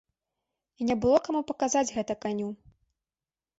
І не было каму паказаць гэта каню.